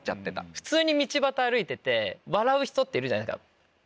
普通に道端歩いてて笑う人っているじゃないですか。